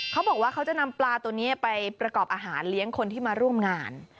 เขาบอกว่าเขาจะนำปลาตัวนี้ไปประกอบอาหารเลี้ยงคนที่มาร่วมงาน